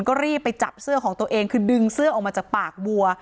ก็รีบไปจับเสื้อของตัวเองคือดึงเสื้อออกมาจากปากวัว